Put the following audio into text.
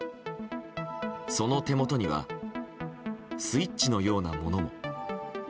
その手元にはスイッチのようなものも。